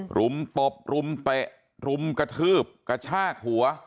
หลุมปบหลุมเปะหลุมกระทืบกระชากหัว